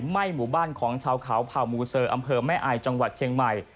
ไหม้หมู่บ้านของชาวเขาเผ่ามูเซอร์อำเภอแม่อายจังหวัดเชียงใหม่